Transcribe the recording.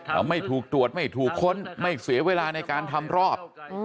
แล้วไม่ถูกตรวจไม่ถูกค้นไม่เสียเวลาในการทำรอบ